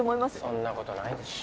そんなことないでしょ。